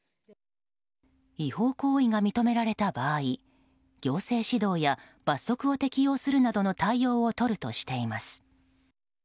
違法行為が認められた場合行政指導や罰則を適用するなどの対応をとるとしています。